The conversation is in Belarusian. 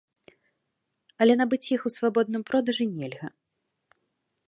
Але набыць іх ў свабодным продажы нельга.